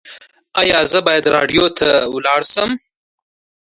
ایا زه باید راډیو ته لاړ شم؟